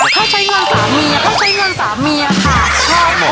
ถ้าใช้เงินสามเมียค่ะ